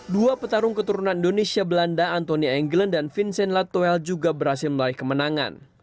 dua petarung keturunan indonesia belanda antonia enggelen dan vincent latuel juga berhasil melaih kemenangan